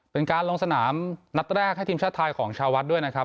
เป็นการลงสนามนัดแรกให้ทีมชาติไทยของชาววัดด้วยนะครับ